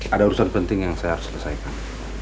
ada urusan penting yang saya harus selesaikan